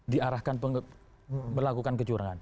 diarahkan melakukan kecurangan